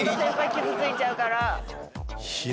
傷ついちゃうから。